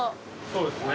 そうですね。